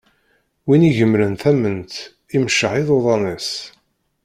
Win igemren tament, imecceḥ iḍudan-is.